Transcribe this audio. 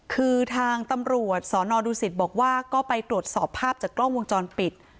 คือทางตำรวจสนดูสิตบอกว่าก็ไปตรวจสอบภาพจากกล้องวงจรปิด